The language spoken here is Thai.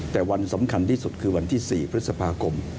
แต่วันสำคัญที่สุดคือวันที่๔พฤษภาคม